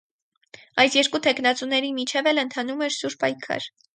Այս երկու թեկնածուների միջև էլ ընթանում էր սուր պայքար։